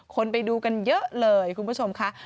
ไปดูกันเยอะเลยคุณผู้ชมค่ะ